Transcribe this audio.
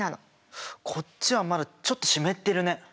こっちはまだちょっと湿ってるね。